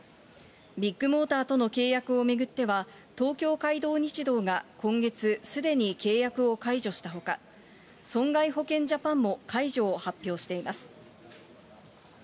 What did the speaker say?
ビッグモーターとの契約を巡っては、東京海上日動が今月、すでに契約を解除したほか、損害保険ジャパンも解除を発表しています。